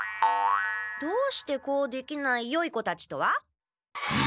「どうしてこうできないよい子たち」とは？